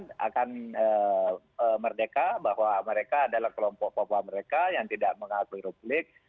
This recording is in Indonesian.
mereka akan merdeka bahwa mereka adalah kelompok popa mereka yang tidak mengakui ruplik